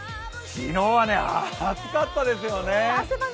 昨日は暑かったですよね。